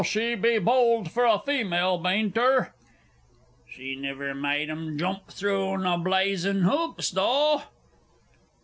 She be bold fur a female, bain't her?... She niver maade 'em joomp through naw bla azin' 'oops, though....